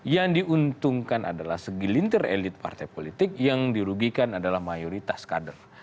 yang diuntungkan adalah segelintir elit partai politik yang dirugikan adalah mayoritas kader